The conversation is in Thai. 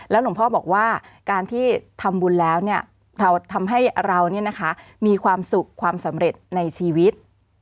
หลวงพ่อบอกว่าการที่ทำบุญแล้วทำให้เรามีความสุขความสำเร็จในชีวิต